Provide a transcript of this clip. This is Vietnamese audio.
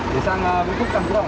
để sang facebook thăng phú thọ nhé